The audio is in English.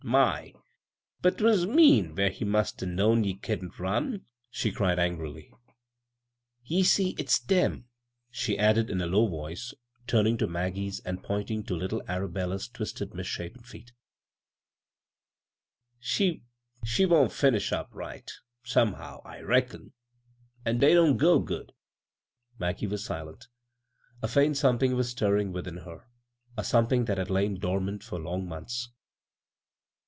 My I but 'twas mean — ^when he must 'a' known ye couldn't run !" 8be cried angrily. " Ye see, it's dem," she 107 b, Google CROSS CURRENTS added in a low voice, turning to Maggie ana pointing to little Arabella's twisted, mis shapen feet. " She wa'n't finished up right, somehow, I reckon, an' dey don't go good." Maggie was silent A faint something was stirring within her — a something that had Iain dormant for long months.